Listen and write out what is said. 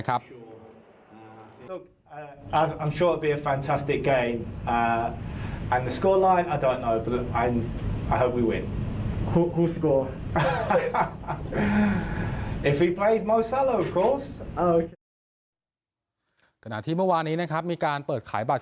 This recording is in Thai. ขณะที่เมื่อวานี้นะครับมีการเปิดขายบัตร